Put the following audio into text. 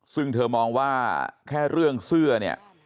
ซึ่งเธอมองว่าแค่เรื่องเสื้อเนี่ย